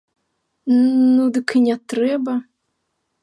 Ну, дык і не трэба.